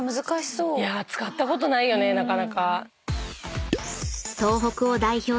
使ったことないよねなかなか。